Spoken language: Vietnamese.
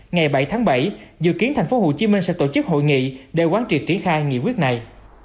ngày bảy tháng bảy dự kiến tp hcm sẽ tổ chức hội nghị để quán triệt triển khai nghị quyết này